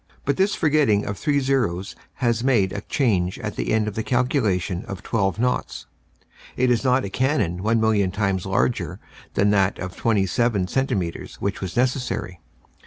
But this forgetting of three zeros has made a change at the end of the calculation of twelve naughts. "It is not a cannon one million times larger than that of twenty seven centimetres, which was necessary.